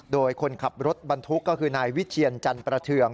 โดยคนขับรถบรรทุกก็คือนายวิเชียรจันประเทือง